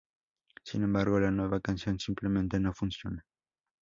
Sin embargo, la nueva canción simplemente no funciona.